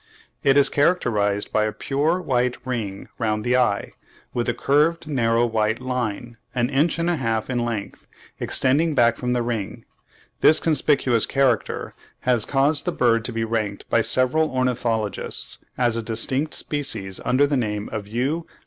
It is characterised (41. Graba, ibid. s. 54. Macgillivray, ibid. vol. v. p. 327.) by a pure white ring round the eye, with a curved narrow white line, an inch and a half in length, extending back from the ring. This conspicuous character has caused the bird to be ranked by several ornithologists as a distinct species under the name of U.